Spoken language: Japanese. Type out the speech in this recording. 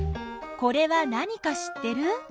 これは何か知ってる？